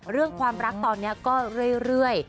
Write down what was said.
เรื่องความรักตอนนี้ก็เรื่อย